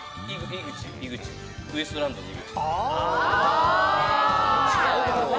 ウエストランドの井口。